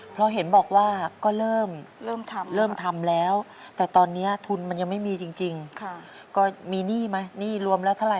เพราะเห็นบอกว่าก็เริ่มทำแล้วแต่ตอนนี้ทุนมันยังไม่มีจริงก็มีหนี้ไหมหนี้รวมแล้วเท่าไ